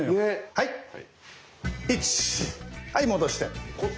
はい戻して。